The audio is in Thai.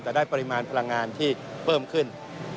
แต่ได้ปริมาณพลังงานที่เพิ่มขึ้น